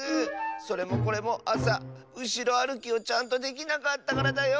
それもこれもあさうしろあるきをちゃんとできなかったからだよ。